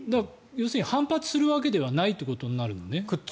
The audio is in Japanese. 要するに反発するわけではないということになるのね。